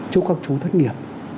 chúc các chú thất nghiệp